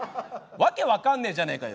訳分かんねえじゃねえかよ。